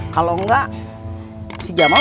kalau enggak si jamal